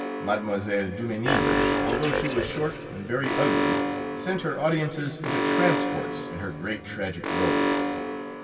Mlle. Dumesnil, although she was short and very ugly, sent her audiences into transports in her great tragic rôles.